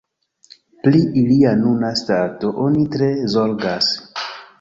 Pri ilia nuna stato oni tre zorgas.